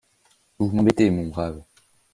Vous m’embêtez, mon brave...